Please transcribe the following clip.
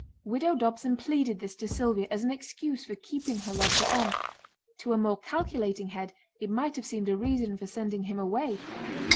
Widow Dobson pleaded this to Sylvia as an excuse for keeping her lodger on; to a more calculating head it might have seemed a reason for sending him away.